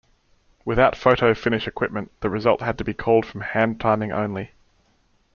Without photo-finish equipment the result had to be called from hand-timing only.